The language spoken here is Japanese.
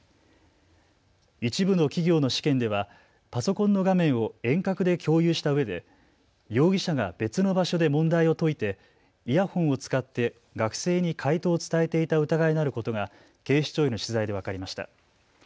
一部の企業の試験ではパソコンの画面を遠隔で共有したうえで容疑者が別の場所で問題を解いてイヤホンを使って学生に解答を伝えていた疑いのあることが警視庁への取材で分かりました。